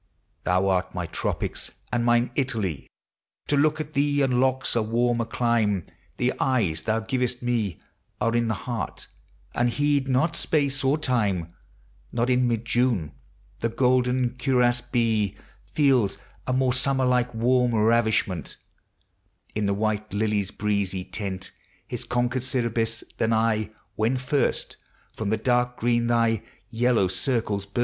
Thou art my tropics and mine Italy; To look at thee unlocks a warmer clime; . The eyes thou givest me Are in the heart, and heed not space or time: Not in mid June the golden cuirassed bee Feels a more summer like warm ravishment In the white lily's breezy tent, His conquered Sybaris, than I, when first From, the dark green thv vellow circles burst.